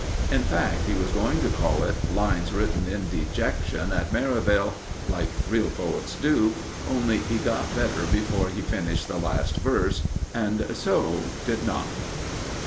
In fact, he was going to call it "Lines Written in Dejection at Merivale," like real poets do, only he got better before he finished the last verse, and so didn't.